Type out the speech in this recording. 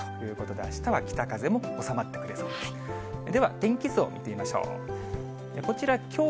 では、天気図を見てみましょう。